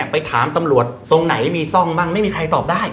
ไปถามตำรวจตรงไหนมีซ่องบ้างไม่มีใครตอบได้